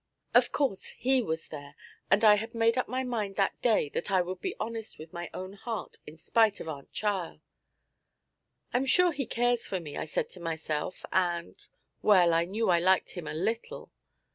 Of course he was there, and I had made up my mind that day that I would be honest with my own heart in spite of Aunt Charl. "I'm sure he cares for me," I said to myself, and well, I knew I liked him a little.